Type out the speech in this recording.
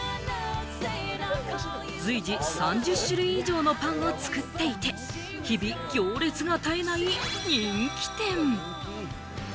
随時３０種類以上のパンを作っていて、日々行列が絶えない人気店。